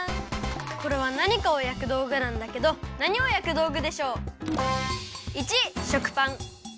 これはなにかをやくどうぐなんだけどなにをやくどうぐでしょう？